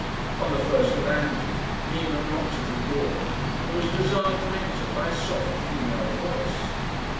On the first landing Nina knocked at a door, and was desired to enter by a soft female voice.